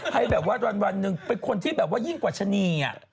ให้แบบว่าวันหนึ่งเป็นคนที่แบบว่ายิ่งกว่าชะนี